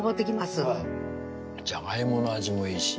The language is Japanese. じゃがいもの味もいいし。